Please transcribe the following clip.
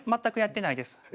全くやってないです。